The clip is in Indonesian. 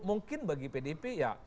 mungkin bagi pdp ya